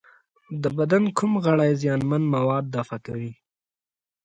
د بدن کوم غړي زیانمن مواد دفع کوي؟